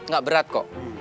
gak berat kok